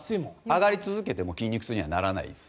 上がり続けても筋肉痛にはならないです。